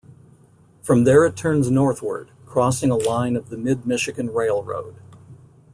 From there it turns northward, crossing a line of the Mid-Michigan Railroad.